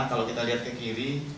kalau kita lihat ke kiri